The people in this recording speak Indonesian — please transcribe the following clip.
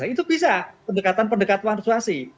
itu bisa pendekatan pendekatan persuasi